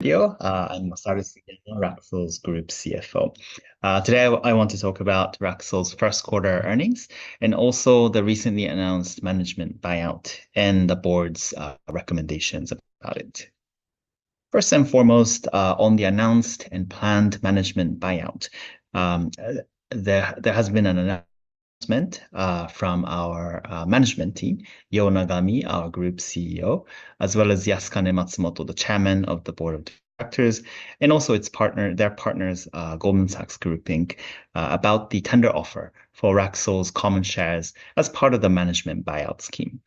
Studio, I'm Masaru Sugiyama, Raksul's Group CFO. Today, I want to talk about Raksul's first quarter earnings and also the recently announced management buyout and the board's recommendations about it. First and foremost, on the announced and planned management buyout, there has been an announcement from our management team, Yo Nagami, our Group CEO, as well as Yasukane Matsumoto, the Chairman of the Board of Directors, and also their partners, Goldman Sachs Group, Inc., about the tender offer for Raksul's common shares as part of the management buyout scheme.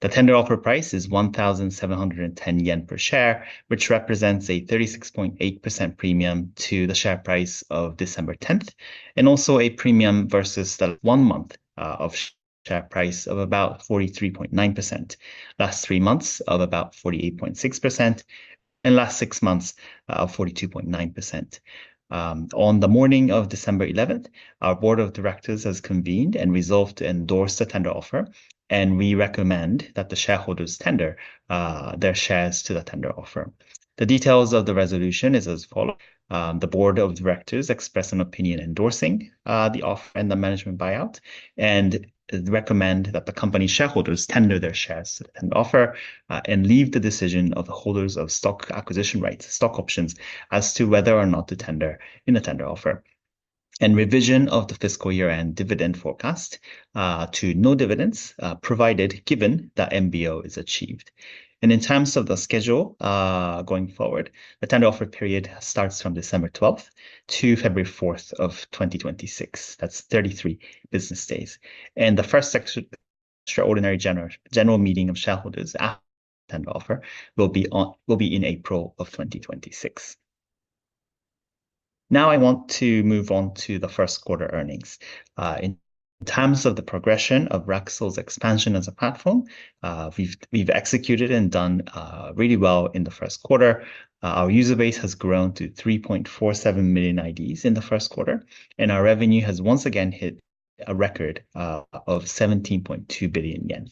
The tender offer price is 1,710 yen per share, which represents a 36.8% premium to the share price of December 10, and also a premium versus the one-month share price of about 43.9%, last three months of about 48.6%, and last six months of 42.9%. On the morning of December 11, our Board of Directors has convened and resolved to endorse the tender offer, and we recommend that the shareholders tender their shares to the tender offer. The details of the resolution are as follows: The Board of Directors expressed an opinion endorsing the offer and the management buyout and recommend that the company shareholders tender their shares to the tender offer and leave the decision of the holders of stock acquisition rights, stock options, as to whether or not to tender in the tender offer, and revision of the fiscal year-end dividend forecast to no dividends provided given that MBO is achieved. And in terms of the schedule going forward, the tender offer period starts from December 12 to February 4 of 2026. That's 33 business days. The first extraordinary general meeting of shareholders after the tender offer will be in April of 2026. Now, I want to move on to the first quarter earnings. In terms of the progression of Raksul's expansion as a platform, we've executed and done really well in the first quarter. Our user base has grown to 3.47 million IDs in the first quarter, and our revenue has once again hit a record of 17.2 billion yen.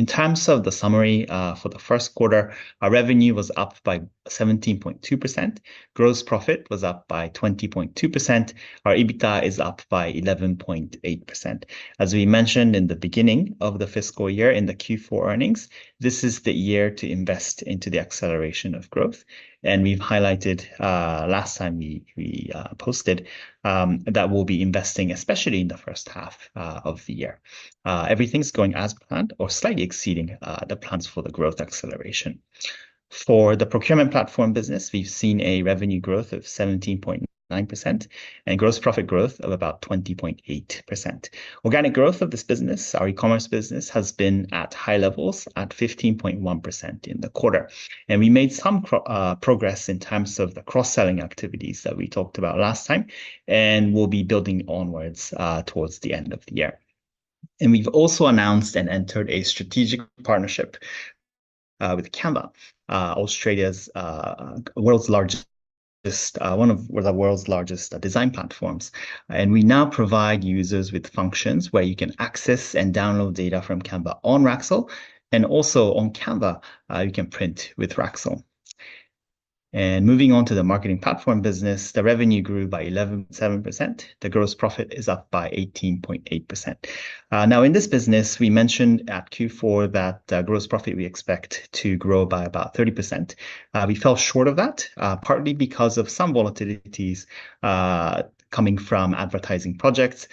In terms of the summary for the first quarter, our revenue was up by 17.2%, gross profit was up by 20.2%, our EBITDA is up by 11.8%. As we mentioned in the beginning of the fiscal year in the Q4 earnings, this is the year to invest into the acceleration of growth. We've highlighted last time we posted that we'll be investing especially in the first half of the year. Everything's going as planned or slightly exceeding the plans for the growth acceleration. For the procurement platform business, we've seen a revenue growth of 17.9% and gross profit growth of about 20.8%. Organic growth of this business, our e-commerce business, has been at high levels at 15.1% in the quarter. We made some progress in terms of the cross-selling activities that we talked about last time and will be building onwards towards the end of the year. We've also announced and entered a strategic partnership with Canva, Australia's world's largest, one of the world's largest design platforms. We now provide users with functions where you can access and download data from Canva on Raksul, and also on Canva, you can print with Raksul. Moving on to the marketing platform business, the revenue grew by 11.7%, the gross profit is up by 18.8%. Now, in this business, we mentioned at Q4 that gross profit we expect to grow by about 30%. We fell short of that partly because of some volatilities coming from advertising projects.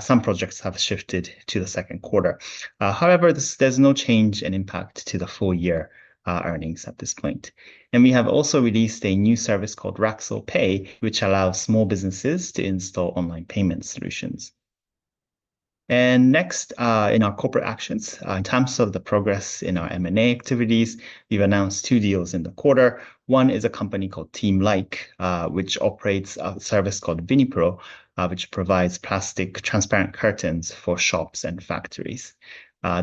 Some projects have shifted to the second quarter. However, there's no change in impact to the full-year earnings at this point and we have also released a new service called Raksul Pay, which allows small businesses to install online payment solutions and next, in our corporate actions, in terms of the progress in our M&A activities, we've announced two deals in the quarter. One is a company called TeamLike, which operates a service called ViniPro, which provides plastic transparent curtains for shops and factories.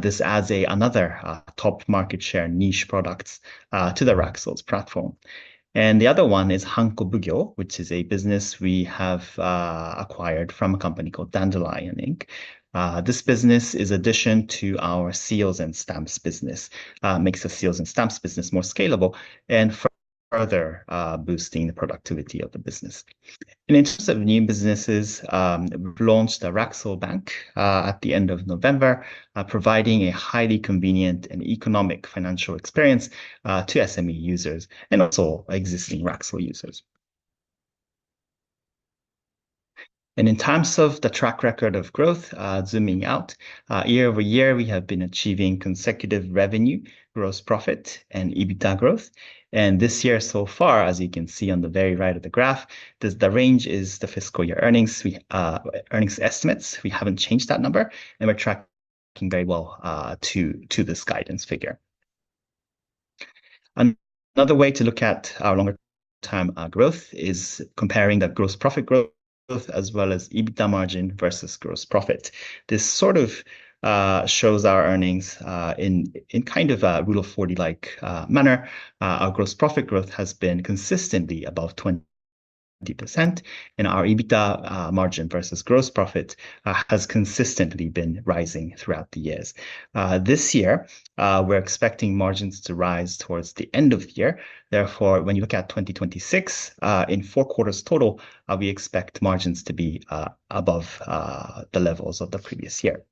This adds another top market share niche product to the Raksul's platform and the other one is Hanko Bugyo, which is a business we have acquired from a company called Dandelion Inc. This business is in addition to our seals and stamps business, makes the seals and stamps business more scalable, and further boosting the productivity of the business, and in terms of new businesses, we've launched a Raksul Bank at the end of November, providing a highly convenient and economic financial experience to SME users and also existing Raksul users, and in terms of the track record of growth, zooming out, year over year, we have been achieving consecutive revenue, gross profit, and EBITDA growth, and this year so far, as you can see on the very right of the graph, the range is the fiscal year earnings estimates. We haven't changed that number, and we're tracking very well to this guidance figure. Another way to look at our longer-term growth is comparing the gross profit growth as well as EBITDA margin versus gross profit. This sort of shows our earnings in kind of a Rule of 40-like manner. Our gross profit growth has been consistently above 20%, and our EBITDA margin versus gross profit has consistently been rising throughout the years. This year, we're expecting margins to rise towards the end of the year. Therefore, when you look at 2026, in four quarters total, we expect margins to be above the levels of the previous year.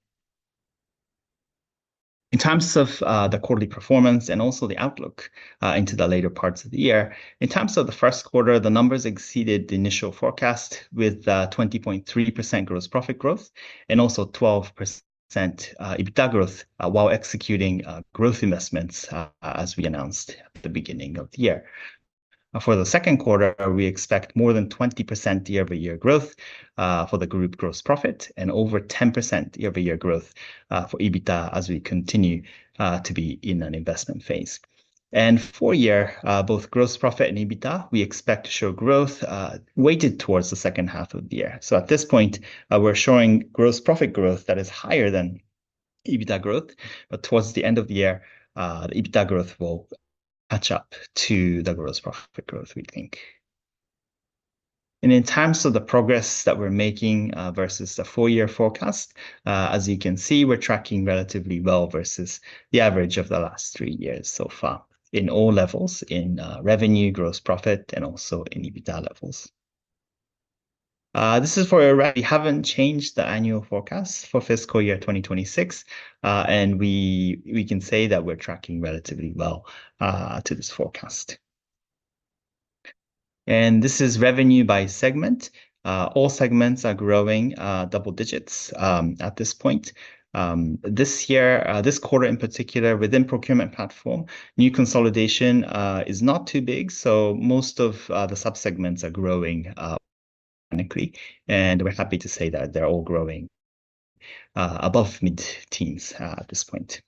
In terms of the quarterly performance and also the outlook into the later parts of the year, in terms of the first quarter, the numbers exceeded the initial forecast with 20.3% gross profit growth and also 12% EBITDA growth while executing growth investments as we announced at the beginning of the year. For the second quarter, we expect more than 20% year-over-year growth for the group gross profit and over 10% year-over-year growth for EBITDA as we continue to be in an investment phase. And for the year, both gross profit and EBITDA, we expect to show growth weighted towards the second half of the year. So at this point, we're showing gross profit growth that is higher than EBITDA growth, but towards the end of the year, the EBITDA growth will catch up to the gross profit growth, we think. And in terms of the progress that we're making versus the four-year forecast, as you can see, we're tracking relatively well versus the average of the last three years so far in all levels in revenue, gross profit, and also in EBITDA levels. This is for, we haven't changed the annual forecast for fiscal year 2026, and we can say that we're tracking relatively well to this forecast, and this is revenue by segment. All segments are growing double digits at this point. This year, this quarter in particular, within procurement platform, new consolidation is not too big, so most of the subsegments are growing organically, and we're happy to say that they're all growing above mid-teens at this point,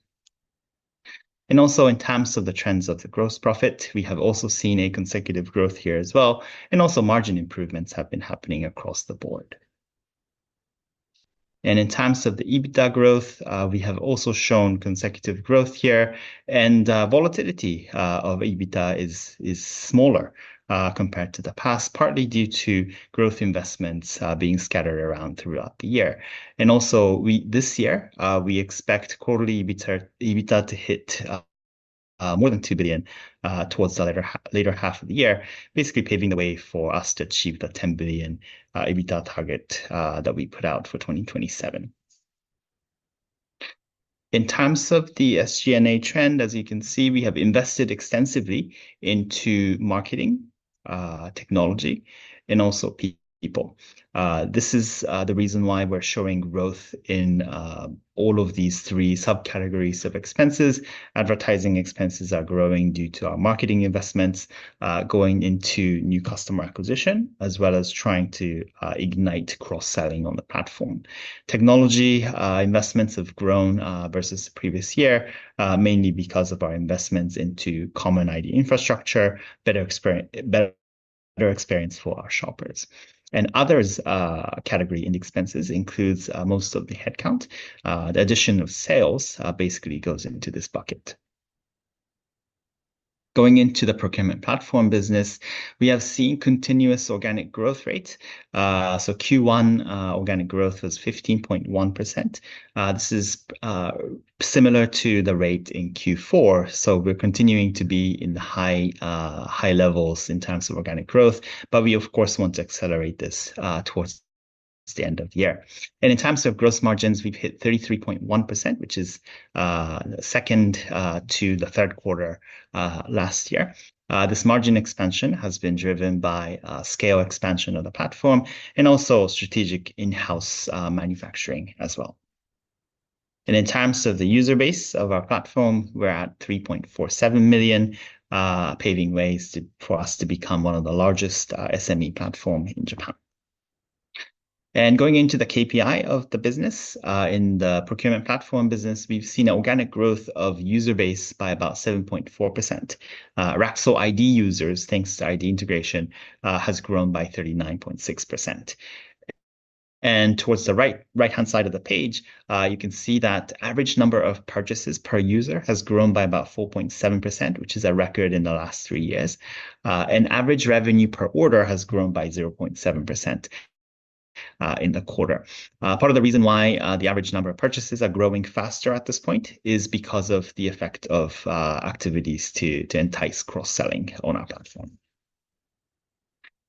and also in terms of the trends of the gross profit, we have also seen a consecutive growth here as well, and also margin improvements have been happening across the board, and in terms of the EBITDA growth, we have also shown consecutive growth here, and volatility of EBITDA is smaller compared to the past, partly due to growth investments being scattered around throughout the year. And also this year, we expect quarterly EBITDA to hit more than 2 billion towards the later half of the year, basically paving the way for us to achieve the 10 billion EBITDA target that we put out for 2027. In terms of the SG&A trend, as you can see, we have invested extensively into marketing, technology, and also people. This is the reason why we're showing growth in all of these three subcategories of expenses. Advertising expenses are growing due to our marketing investments going into new customer acquisition, as well as trying to ignite cross-selling on the platform. Technology investments have grown versus the previous year, mainly because of our investments into common ID infrastructure, better experience for our shoppers. And other category in expenses includes most of the headcount. The addition of sales basically goes into this bucket. Going into the procurement platform business, we have seen continuous organic growth rate. So Q1 organic growth was 15.1%. This is similar to the rate in Q4, so we're continuing to be in the high levels in terms of organic growth, but we, of course, want to accelerate this towards the end of the year. And in terms of gross margins, we've hit 33.1%, which is second to the third quarter last year. This margin expansion has been driven by scale expansion of the platform and also strategic in-house manufacturing as well. And in terms of the user base of our platform, we're at 3.47 million, paving ways for us to become one of the largest SME platforms in Japan. And going into the KPI of the business, in the procurement platform business, we've seen an organic growth of user base by about 7.4%. Raksul ID users, thanks to ID integration, has grown by 39.6%. And towards the right-hand side of the page, you can see that average number of purchases per user has grown by about 4.7%, which is a record in the last three years. And average revenue per order has grown by 0.7% in the quarter. Part of the reason why the average number of purchases are growing faster at this point is because of the effect of activities to entice cross-selling on our platform.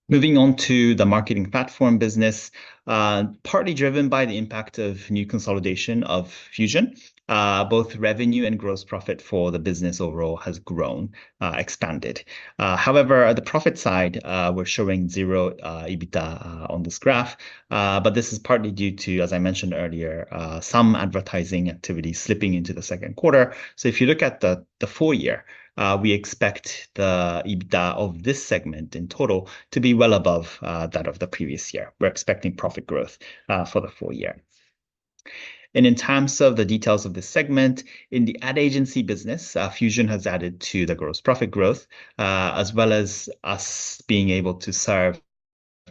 Moving on to the marketing platform business, partly driven by the impact of new consolidation of Fusion, both revenue and gross profit for the business overall has grown, expanded. However, on the profit side, we're showing zero EBITDA on this graph, but this is partly due to, as I mentioned earlier, some advertising activity slipping into the second quarter. So if you look at the four-year, we expect the EBITDA of this segment in total to be well above that of the previous year. We're expecting profit growth for the full year. And in terms of the details of this segment, in the ad agency business, Fusion has added to the gross profit growth, as well as us being able to serve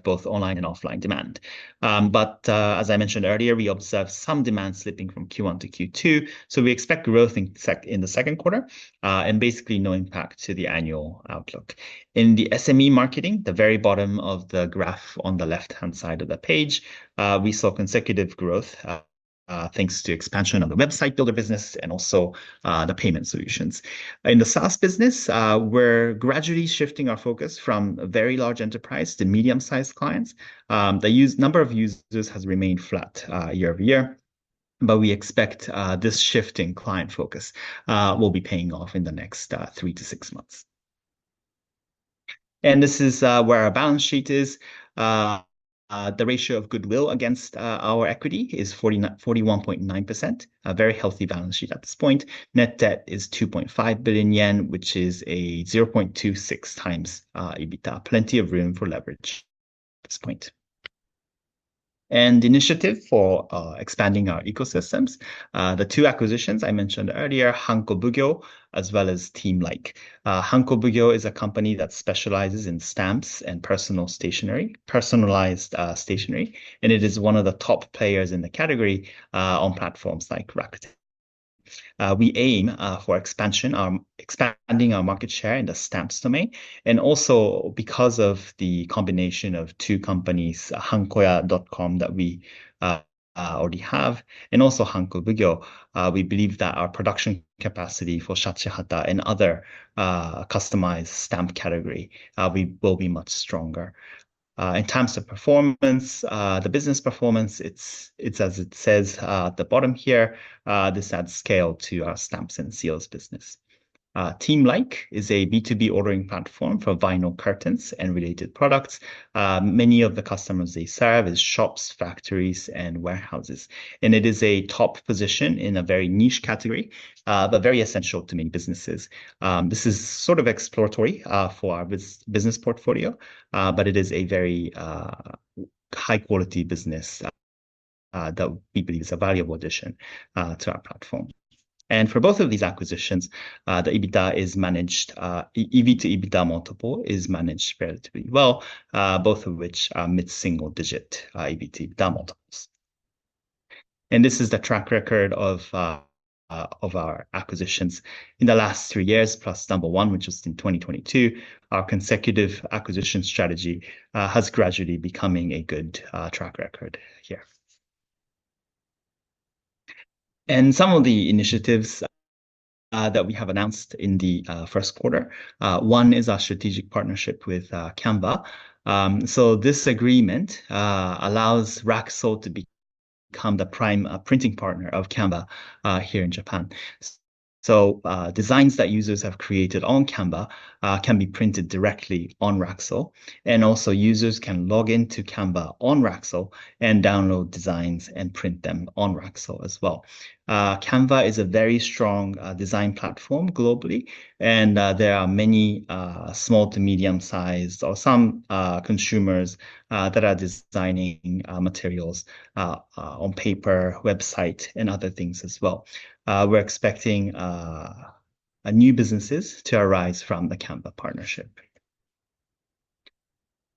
both online and offline demand. But as I mentioned earlier, we observed some demand slipping from Q1 to Q2, so we expect growth in the second quarter and basically no impact to the annual outlook. In the SME marketing, the very bottom of the graph on the left-hand side of the page, we saw consecutive growth thanks to expansion of the website builder business and also the payment solutions. In the SaaS business, we're gradually shifting our focus from very large enterprise to medium-sized clients. The number of users has remained flat year over year, but we expect this shift in client focus will be paying off in the next three to six months. This is where our balance sheet is. The ratio of goodwill against our equity is 41.9%, a very healthy balance sheet at this point. Net debt is 2.5 billion yen, which is a 0.26 times EBITDA. Plenty of room for leverage at this point. Initiative for expanding our ecosystems, the two acquisitions I mentioned earlier, Hanko Bugyo, as well as TeamLike. Hanko Bugyo is a company that specializes in stamps and personalized stationery, and it is one of the top players in the category on platforms like Rakuten. We aim for expansion, expanding our market share in the stamps domain, and also because of the combination of two companies, Hankoya.com that we already have, and also Hanko Bugyo. We believe that our production capacity for Shachihata and other customized stamp category will be much stronger. In terms of performance, the business performance, it's as it says at the bottom here. This adds scale to our stamps and seals business. TeamLike is a B2B ordering platform for vinyl curtains and related products. Many of the customers they serve are shops, factories, and warehouses, and it is a top position in a very niche category, but very essential to many businesses. This is sort of exploratory for our business portfolio, but it is a very high-quality business that we believe is a valuable addition to our platform. For both of these acquisitions, the EBITDA is managed, EV to EBITDA multiple is managed relatively well, both of which are mid-single-digit EV to EBITDA multiples. This is the track record of our acquisitions in the last three years, plus number one, which was in 2022. Our consecutive acquisition strategy has gradually become a good track record here. Some of the initiatives that we have announced in the first quarter, one is our strategic partnership with Canva. This agreement allows Raksul to become the prime printing partner of Canva here in Japan. Designs that users have created on Canva can be printed directly on Raksul, and also users can log into Canva on Raksul and download designs and print them on Raksul as well. Canva is a very strong design platform globally, and there are many small to medium-sized or some consumers that are designing materials on paper, website, and other things as well. We're expecting new businesses to arise from the Canva partnership.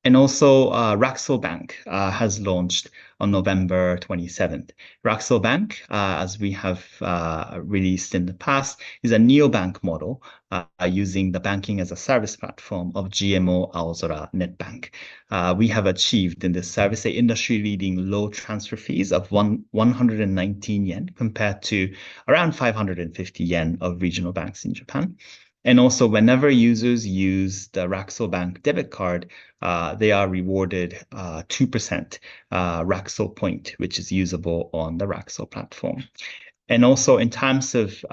And also, Raksul Bank has launched on November 27th. Raksul Bank, as we have released in the past, is a neobank model using the banking-as-a-service platform of GMO Aozora Netbank. We have achieved in this service an industry-leading low transfer fees of 119 yen compared to around 550 yen of regional banks in Japan. And also, whenever users use the Raksul Bank debit card, they are rewarded 2% Raksul Point, which is usable on the Raksul platform. And also, in terms of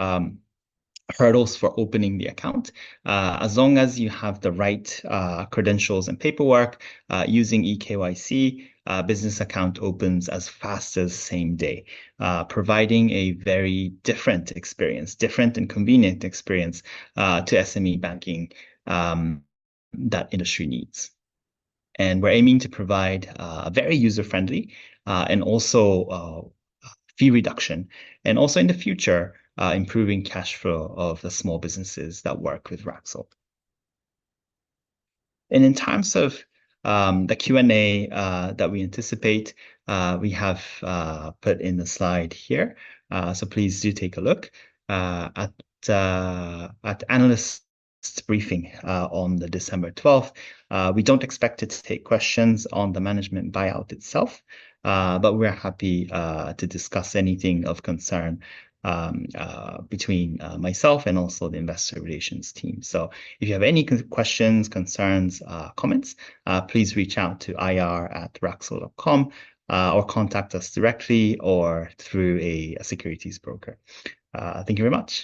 hurdles for opening the account, as long as you have the right credentials and paperwork, using EKYC, business account opens as fast as same day, providing a very different experience, different and convenient experience to SME banking that industry needs. And we're aiming to provide a very user-friendly and also fee reduction, and also in the future, improving cash flow of the small businesses that work with Raksul. And in terms of the Q&A that we anticipate, we have put in the slide here, so please do take a look at analyst briefing on December 12th. We don't expect it to take questions on the management buyout itself, but we're happy to discuss anything of concern between myself and also the investor relations team. So if you have any questions, concerns, comments, please reach out to ir@raksul.com or contact us directly or through a securities broker. Thank you very much.